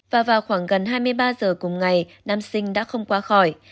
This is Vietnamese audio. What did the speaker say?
và vào khoảng gần hai mươi ba giờ cùng ngày nam sinh đã không qua khỏi